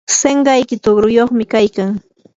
sinqayki tuqruyuqmi kaykan.